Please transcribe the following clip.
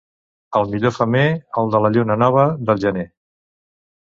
El millor femer, el de la lluna nova del gener.